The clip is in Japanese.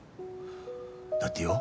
だってよ